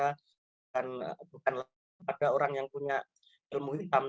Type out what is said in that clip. bukanlah kepada orang yang punya ilmu hitam